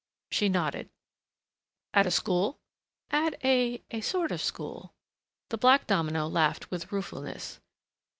She nodded. "At a school?" "At a a sort of school." The black domino laughed with ruefulness.